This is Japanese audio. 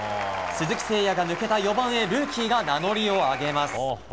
鈴木誠也が抜けた４番へルーキーが名乗りを上げます。